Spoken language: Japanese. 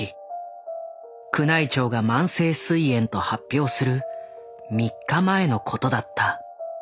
宮内庁が「慢性すい炎」と発表する３日前のことだった。